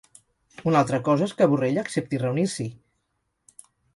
Una altra cosa és que Borrell accepti reunir-s'hi.